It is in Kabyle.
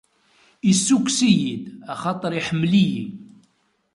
Issukkes-iyi-d, axaṭer iḥemmel-iyi.